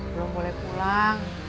belum boleh pulang